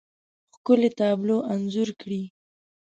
ښکلې، تابلو انځور کړي